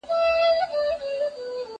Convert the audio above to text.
زه ږغ اورېدلی دی!.